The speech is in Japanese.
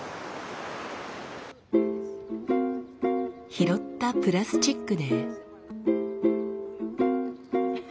拾ったプラスチックで。